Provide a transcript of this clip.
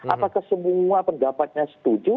apakah semua pendapatnya setuju